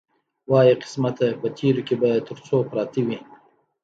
وایه قسمته په تېرو کې به تر څو پراته وي.